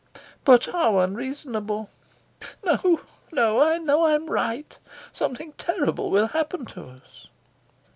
"But how unreasonable!" "No, no. I know I'm right. Something terrible will happen to us."